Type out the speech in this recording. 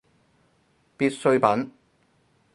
必需品